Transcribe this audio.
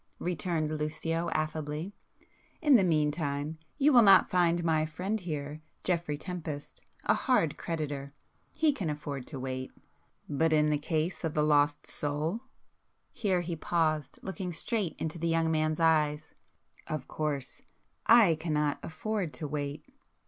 returned Lucio affably, "In the meantime, you will not find my friend here, Geoffrey Tempest, a hard creditor,—he can afford to wait. But in the case of the lost soul,"—here he paused, looking straight into the young man's eyes,—"of course I cannot afford to wait!"